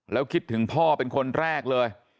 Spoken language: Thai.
แล้วคิดถึงพ่อเป็นคนแรกเลย